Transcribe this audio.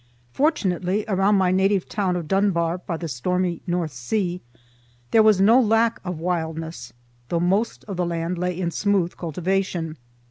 Fortunately around my native town of Dunbar, by the stormy North Sea, there was no lack of wildness, though most of the land lay in smooth cultivation.